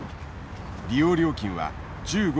利用料金は１５分